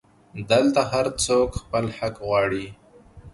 دلته هرڅوک خپل حق غواړي